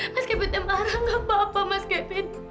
mas kevin dia marah gak apa apa mas kevin